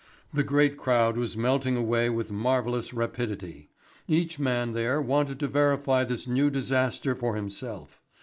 The great crowd was melting away with marvellous rapidity. Each man there wanted to verify this new disaster for himself.